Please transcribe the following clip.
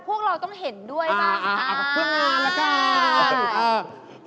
พวกเราต้องเห็นด้วยบ้างค่ะเอาผลงานละกัน